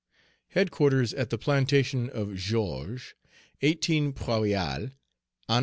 "HEADQUARTERS AT THE PLANTATION OF GEORGES, 18 Prairial, An.